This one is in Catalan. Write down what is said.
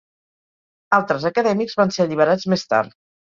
Altres acadèmics van ser alliberats més tard.